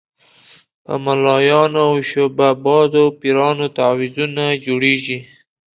په ملایانو او شعبده بازو پیرانو تعویضونه جوړېږي.